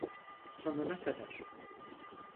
Sonuna kadar.